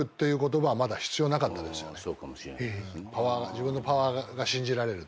自分のパワーが信じられる。